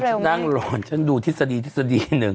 ทุกวันฉันดูทฤษฎีทฤษฎีหนึ่ง